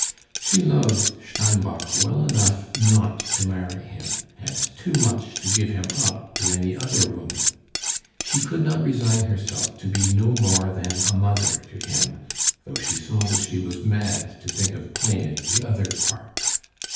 She loved Steinbock well enough not to marry him, and too much to give him up to any other woman; she could not resign herself to be no more than a mother to him, though she saw that she was mad to think of playing the other part.